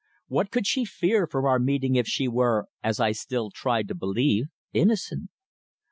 What could she fear from our meeting if she were, as I still tried to believe, innocent?